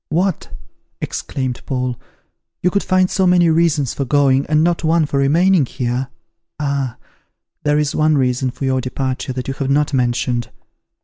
"What!" exclaimed Paul, "you could find so many reasons for going, and not one for remaining here! Ah! there is one reason for your departure that you have not mentioned.